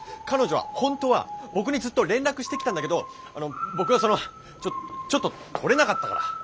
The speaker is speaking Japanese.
彼女は本当は僕にずっと連絡してきたんだけど僕がそのちょっと取れなかったから！